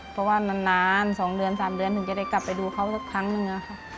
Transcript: เพราะว่านาน๒เดือน๓เดือนถึงจะได้กลับไปดูเขาสักครั้งหนึ่ง